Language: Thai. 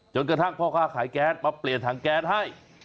กระทั่งพ่อค้าขายแก๊สมาเปลี่ยนถังแก๊สให้